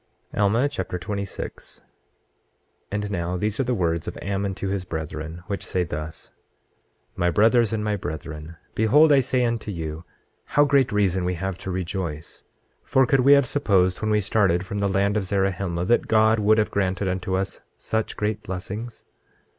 Alma Chapter 26 26:1 And now, these are the words of Ammon to his brethren, which say thus: My brothers and my brethren, behold I say unto you, how great reason have we to rejoice; for could we have supposed when we started from the land of Zarahemla that God would have granted unto us such great blessings?